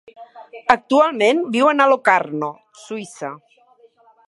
Actualment viuen a Locarno, Suïssa.